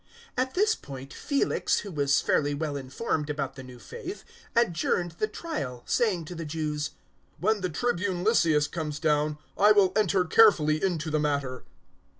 '" 024:022 At this point Felix, who was fairly well informed about the new faith, adjourned the trial, saying to the Jews, "When the Tribune Lysias comes down, I will enter carefully into the matter."